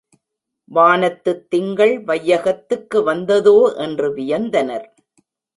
வானத்துத் திங்கள் வையகத்துக்கு வந்ததோ என்று வியந்தனர்.